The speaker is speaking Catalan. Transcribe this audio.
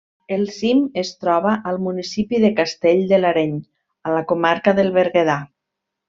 El cim es troba al municipi de Castell de l'Areny, a la comarca del Berguedà.